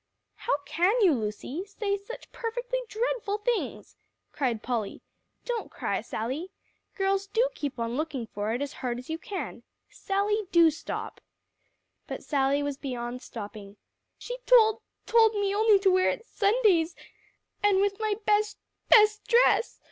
"How can you, Lucy, say such perfectly dreadful things?" cried Polly. "Don't cry, Sally. Girls, do keep on looking for it as hard as you can. Sally, do stop." But Sally was beyond stopping. "She told told me only to wear it Sundays, and with my best best dress.